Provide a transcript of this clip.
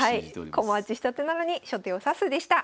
「駒落ち下手なのに初手を指す」でした。